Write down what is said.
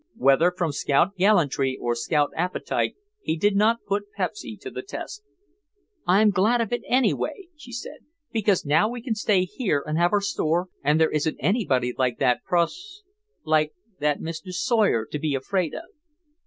Whether from scout gallantry or scout appetite, he did not put Pepsy to the test. "I'm glad of it, anyway," she said, "because now we can stay here and have our store and there isn't anybody like that pros—like that Mr. Sawyer to be afraid of."